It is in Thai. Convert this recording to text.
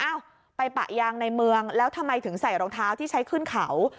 เอ้าไปปะยางในเมืองแล้วทำไมถึงใส่รองเท้าที่ใช้ขึ้นเขา